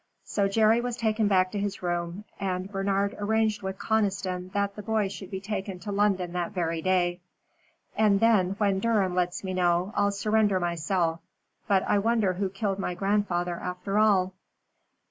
So Jerry was taken back to his room, and Bernard arranged with Conniston that the boy should be taken to London that very day. "And then, when Durham lets me know, I'll surrender myself. But I wonder who killed my grandfather after all."